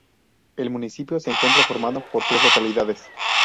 El municipio se encuentra formado por tres localidades.